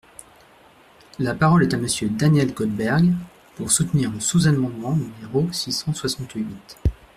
La parole est à Monsieur Daniel Goldberg, pour soutenir le sous-amendement numéro six cent soixante-huit.